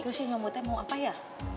lu sinyomu tuh mau apa ya